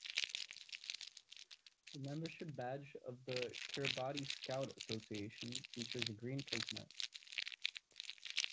The membership badge of the Kiribati Scout Association features a green coconut.